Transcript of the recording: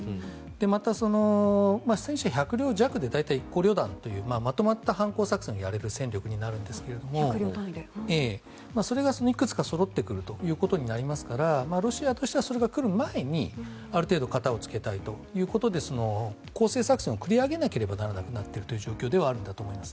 また、戦車１００両弱で１個旅団というまとまった反攻作戦をやれる単位になるんですがそれがいくつかそろってくることになりますからロシアとしてはそれが来る前にある程度片をつけたいということで攻勢作戦を繰り上げなければなくなっている状況だと思います。